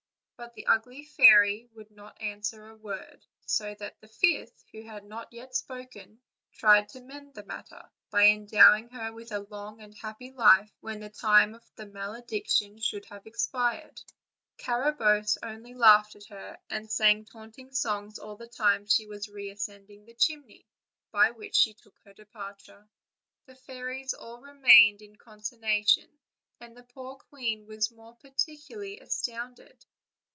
But the ugly fairy would not answer a word so that the fifth, who had not yet spoken, tried to mend the matter, by endowing her with a long and happy life when the time of the malediction should have expired. Carabosse only laughed at her, and sang taunting songs all the time she was reascending the chimney, by which she took her departure. The fairies all remained in consterna tion, and the poor queen was more particularly astounded.